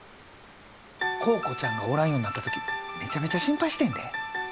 コウコちゃんがおらんようになった時めちゃめちゃ心配してんで。